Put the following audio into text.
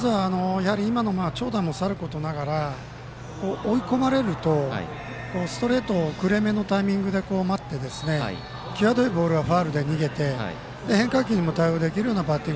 今の長打もさることながら追い込まれるとストレート遅れめのタイミングで待ってきわどいボールはファウルで逃げて変化球にも対応します。